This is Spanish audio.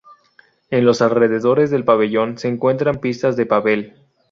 En los alrededores del pabellón se encuentran pistas de pádel.